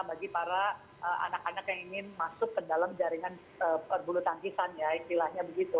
bagi para anak anak yang ingin masuk ke dalam jaringan perbulu tangkisan ya istilahnya begitu